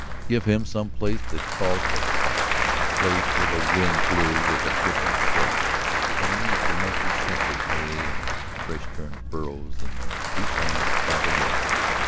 Give him some place that called for a fight, a place where the wind blew with a different flavor than these domestic scents of hay and fresh turned furrows in the wheatlands by the road.